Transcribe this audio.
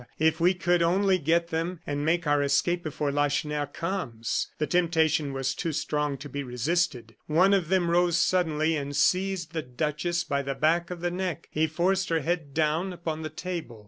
if we could only get them and make our escape before Lacheneur comes!" The temptation was too strong to be resisted. One of them rose suddenly, and, seizing the duchess by the back of the neck, he forced her head down upon the table.